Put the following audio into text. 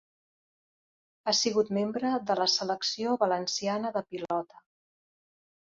Ha sigut membre de la Selecció Valenciana de Pilota.